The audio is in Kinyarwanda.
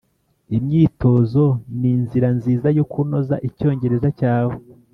imyitozo ninzira nziza yo kunoza icyongereza cyawe